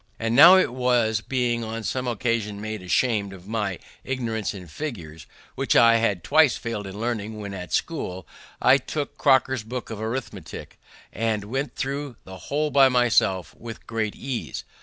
And now it was that, being on some occasion made asham'd of my ignorance in figures, which I had twice failed in learning when at school, I took Cocker's book of Arithmetick, and went through the whole by myself with great ease.